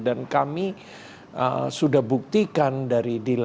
dan kami sudah buktikan dari di live